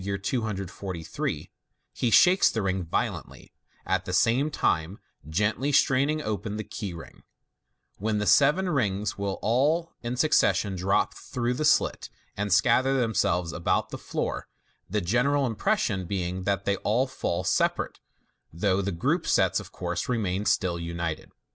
243), he shakes the rings violently, at the same time gently straining open the key ring, when the seven rings will all in succession drop through the slit, and scatter themselves about the floor, the general impression being that they all fall separate, though the grouped sets, of course, remain still united.